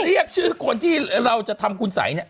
เรียกชื่อคนที่เราจะทำคุณสัยเนี่ย